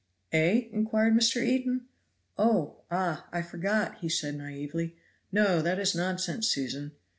"Eh?" inquired Mr. Eden, "oh! ah! I forgot," said he naively. "No! that is nonsense, Susan.